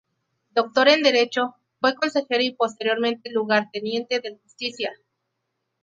Doctor en Derecho, fue consejero y posteriormente lugarteniente del Justicia.